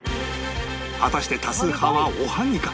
果たして多数派はおはぎか？